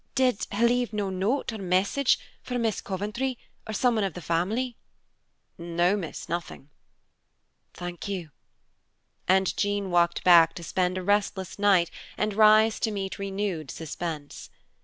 "Did he leave no note or message for Miss Coventry, or someone of the family?" "No, miss, nothing." "Thank you." And Jean walked back to spend a restless night and rise to meet renewed suspense.